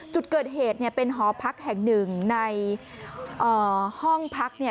จุดเกิดเหตุเป็นหอพักแห่งหนึ่งในห้องพัก